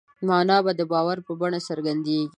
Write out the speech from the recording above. مانا د باور په بڼه څرګندېږي.